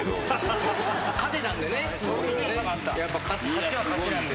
勝ちは勝ちなんで。